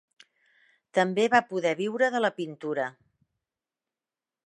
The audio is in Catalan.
També va poder viure de la pintura.